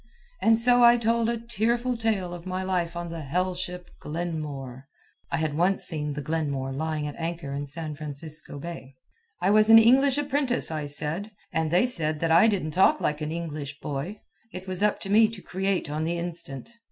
And so I told a tearful tale of my life on the hell ship Glenmore. (I had once seen the Glenmore lying at anchor in San Francisco Bay.) I was an English apprentice, I said. And they said that I didn't talk like an English boy. It was up to me to create on the instant.